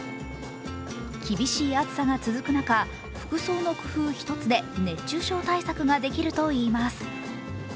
厳しい暑さが続く中、服装の工夫一つで熱中症対策ができるといいます。